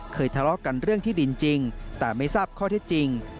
ทะเลาะกันเรื่องที่ดินจริงแต่ไม่ทราบข้อเท็จจริง